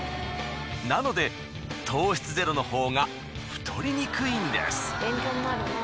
なので糖質ゼロのほうが太りにくいんです。